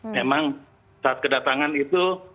memang saat kedatangan itu